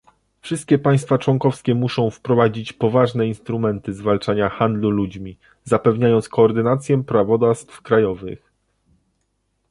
Wszystkie państwa członkowskie muszą wprowadzić poważne instrumenty zwalczania handlu ludźmi, zapewniając koordynację prawodawstw krajowych